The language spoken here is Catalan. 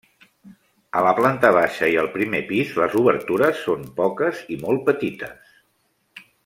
A la planta baixa i al primer pis les obertures són poques i molt petites.